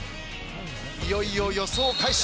いよいよ予想開始。